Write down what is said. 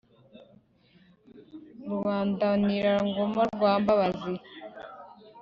rubandanira-ngoma rwa mbabazi